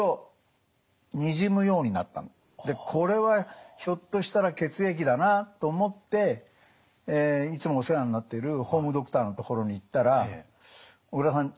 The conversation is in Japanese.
でこれはひょっとしたら血液だなと思っていつもお世話になってるホームドクターのところに行ったら「小倉さん